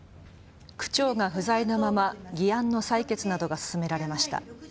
区長が不在のまま議案の採決などが進められました。